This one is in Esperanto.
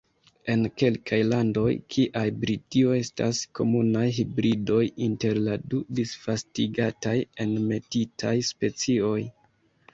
En kelkaj landoj, kiaj Britio, estas komunaj hibridoj inter la du disvastigataj Enmetitaj specioj.